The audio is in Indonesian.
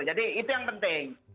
jadi itu yang penting